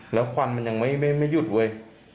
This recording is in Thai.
แล้วควันมันยังไม่หยุดเว้ย